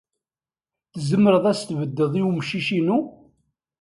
Tzemreḍ ad as-tbeddeḍ i wemcic-inu?